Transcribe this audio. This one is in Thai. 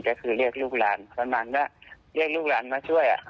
ก็คือเรียกลูกหลานประมาณว่าเรียกลูกหลานมาช่วย